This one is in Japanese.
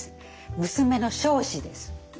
娘の彰子です。